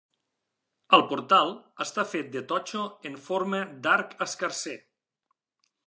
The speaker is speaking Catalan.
El portal està fet de totxo en forma d'arc escarser.